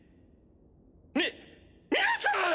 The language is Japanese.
み皆さん！